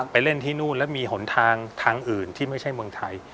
เล่นที่นู่นแล้วมีหนทางทางอื่นที่ไม่ใช่เมืองไทย